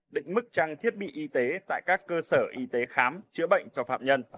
định mức trang thiết bị y tế tại các cơ sở y tế khám chữa bệnh cho phạm nhân